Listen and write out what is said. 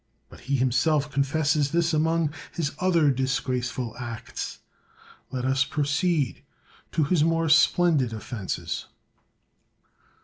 But he himself confesses this among his other disgrace ful acts. Let us proceed to his more splendid offenses.